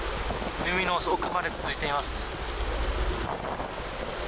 海の奥まで続いています。